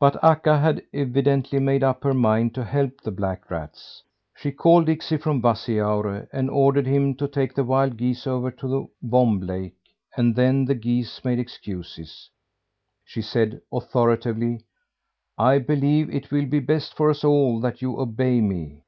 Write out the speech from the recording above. But Akka had evidently made up her mind to help the black rats. She called Iksi from Vassijaure, and ordered him to take the wild geese over to Vonib Lake; and when the geese made excuses, she said authoritatively: "I believe it will be best for us all that you obey me.